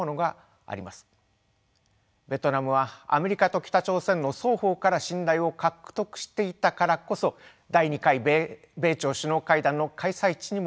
ベトナムはアメリカと北朝鮮の双方から信頼を獲得していたからこそ第２回米朝首脳会談の開催地にも選ばれました。